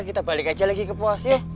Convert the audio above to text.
kita balik aja lagi ke pos ya